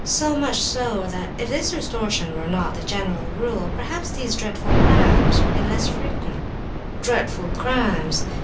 So much so, that if this distortion were not the general rule, perhaps these dreadful crimes would be less frequent." "Dreadful crimes?